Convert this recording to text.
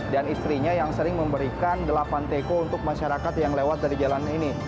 dan istrinya yang sering memberikan delapan teko untuk masyarakat yang lewat dari jalan ini